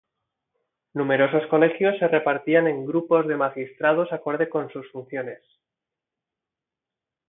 Numerosos colegios se repartían en grupos de magistrados acorde con sus funciones.